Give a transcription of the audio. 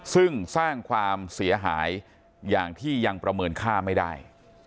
ซึ่งสร้างความเสียหายอย่างที่ยังประเมินค่าไม่ได้